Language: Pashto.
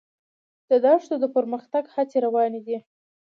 د دښتو د پرمختګ هڅې روانې دي.